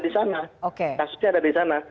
di sana kasusnya ada di sana